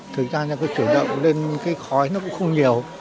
thực ra là có chủ động nên cái khói nó cũng không nhiều